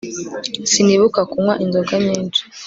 sinibuka kunywa inzoga nyinshi